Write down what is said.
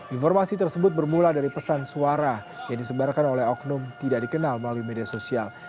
informasi tersebut bermula dari pesan suara yang disebarkan oleh oknum tidak dikenal melalui media sosial